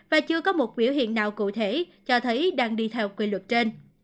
và chưa có một biểu hiện nào cụ thể cho thấy đang đi theo quy luật trên